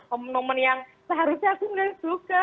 momen momen yang seharusnya aku nggak suka